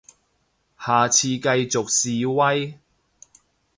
下次繼續示威